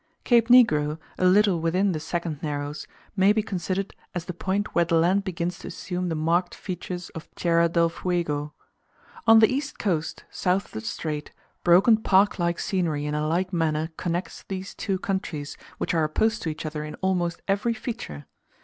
Cape Negro, a little within the second Narrows, may be considered as the point where the land begins to assume the marked features of Tierra del Fuego. On the east coast, south of the Strait, broken park like scenery in a like manner connects these two countries, which are opposed to each other in almost every feature.